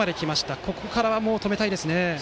もう、ここからは止めたいですね。